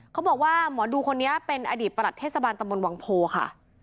เขาบอกว่าหมอดูคนนี้เป็นอดีตประหลัดเทศบาลตำบลวังโพค่ะ